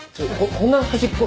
こんな端っこ。